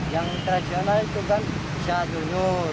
yang tradisional itu kan saat dulu